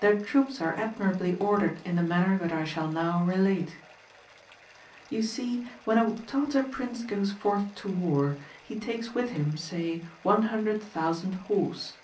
Their troops are admirably ordered in the manner that I shall now relate. You see, when a Tartar prince goes forth to war, he takes with him, say, 100,000 horse.